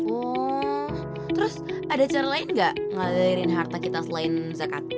oh terus ada cara lain gak ngalahirin harta kita selain zakat